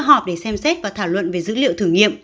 họp để xem xét và thảo luận về dữ liệu thử nghiệm